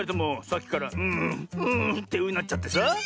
さっきから「うんうん」ってうなっちゃってさ。